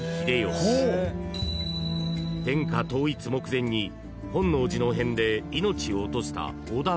［天下統一目前に本能寺の変で命を落とした］